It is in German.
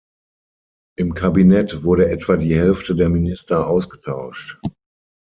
Im Kabinett wurde etwa die Hälfte der Minister ausgetauscht.